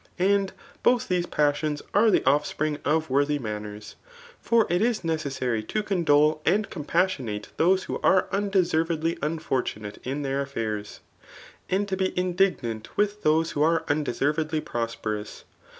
And both ,thfise passions are the offspring of worthy n>am^rs. ' For it is necessary tp condole aod cpmpassioi^e those who are undes^vedly unfortunate in their afiaifs ; and to be indignant with, thdse^ho, ar^ undeservedly prosperous.